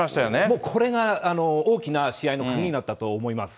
もうこれが大きな試合の鍵になったと思います。